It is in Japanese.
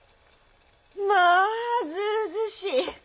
まあずうずうしい！